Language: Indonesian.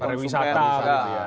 pariwisata gitu ya